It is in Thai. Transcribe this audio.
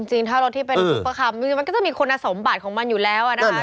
จริงถ้ารถที่เป็นซุปเปอร์คาร์มจริงมันก็จะมีคุณสมบัติของมันอยู่แล้วนะคะ